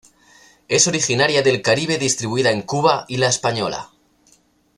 Es originaria del Caribe distribuida en Cuba y La Española.